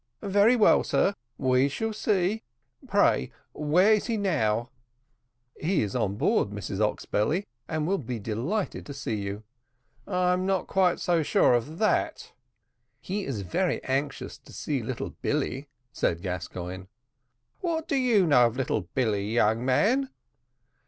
"Very well, sir, we shall see. Pray, where is he now?" "He is on board, Mrs Oxbelly, and will be delighted to see you." "I'm not quite so sure of that." "He's very anxious to see little Billy," said Gascoigne. "What do you know of little Billy, young man?"